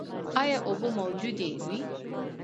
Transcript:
ایا اوبه موجودې وې؟